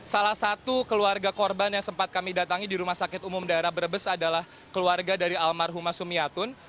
salah satu keluarga korban yang sempat kami datangi di rumah sakit umum daerah brebes adalah keluarga dari almarhumah sumiatun